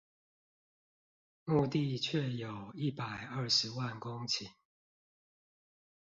牧地卻有一百二十萬公頃